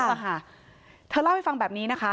เบาไปเยอะค่ะเธอเล่าล่าให้ฟังแบบนี้นะคะ